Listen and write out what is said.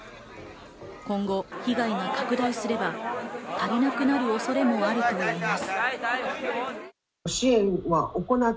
今後被害が拡大すれば足りなくなる恐れもあるといいます。